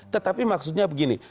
tetapi maksudnya begini